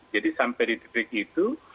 jadi sampai di titik itu